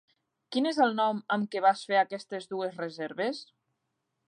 Quin és el nom amb què vas fer aquestes dues reserves?